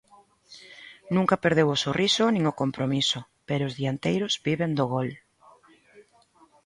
Nunca perdeu o sorriso nin o compromiso, pero os dianteiros viven do gol.